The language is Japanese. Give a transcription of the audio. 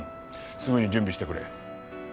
すぐに準備してくれ。